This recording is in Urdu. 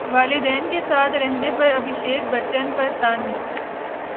والدین کے ساتھ رہنے پر ابھیشیک بچن پر طنز